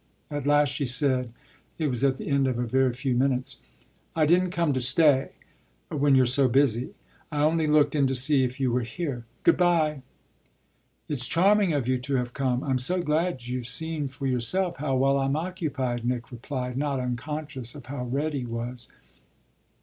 At last she said it was at the end of a very few minutes: "I didn't come to stay when you're so busy. I only looked in to see if you were here. Good bye." "It's charming of you to have come. I'm so glad you've seen for yourself how well I'm occupied," Nick replied, not unconscious of how red he was.